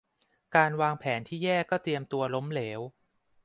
การวางแผนที่แย่ก็เตรียมตัวล้มเหลว